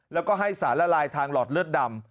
แล้วก็ให้สารละลายทางหลอดเลือดดำ